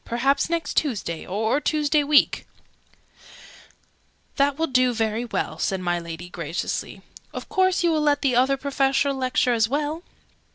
Perhaps next Tuesday or Tuesday week " "That will do very well," said my Lady, graciously. "Of course you will let the Other Professor lecture as well?"